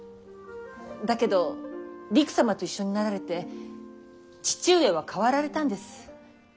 だけどりく様と一緒になられて父上は変わられたんです。